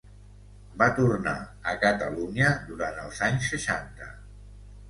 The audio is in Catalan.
Va tornar a Catalunya durant els anys seixanta.